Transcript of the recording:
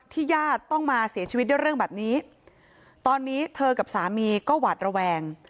ญาติต้องมาเสียชีวิตด้วยเรื่องแบบนี้ตอนนี้เธอกับสามีก็หวาดระแวง